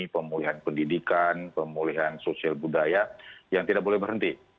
pemulihan pendidikan pemulihan sosial budaya yang tidak boleh berhenti